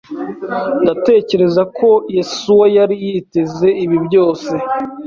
Ndatekereza ko Yesuwa yari yiteze ibi byose.